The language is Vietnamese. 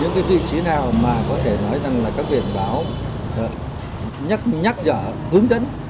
những cái vị trí nào mà có thể nói rằng là các biển báo nhắc nhở hướng dẫn